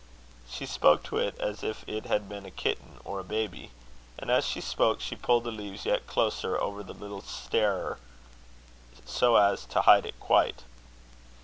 She spoke to it as if it had been a kitten or a baby. And as she spoke, she pulled the leaves yet closer over the little starer so as to hide it quite.